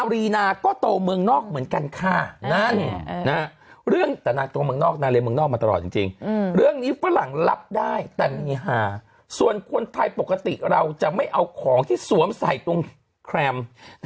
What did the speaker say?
เรื่องนี้ฝรั่งรับได้แต่มีหาส่วนคนไทยปกติเราจะไม่เอาของที่สวมใส่ตรงแครม